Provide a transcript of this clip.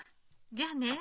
じゃあね。